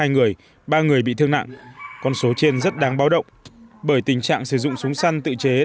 hai người ba người bị thương nặng con số trên rất đáng báo động bởi tình trạng sử dụng súng săn tự chế